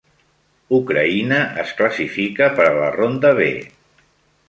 Ucraïna es classifica per a la ronda B.